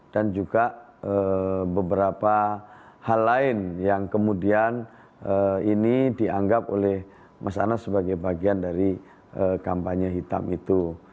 dan juga beberapa hal lain yang kemudian ini dianggap oleh mas anas sebagai bagian dari kampanye hitam itu